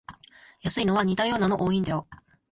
安いのは似たようなの多いんだよ